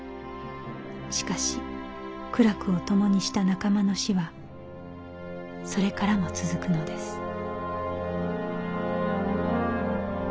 しかし苦楽を共にした仲間の死はそれからも続くのです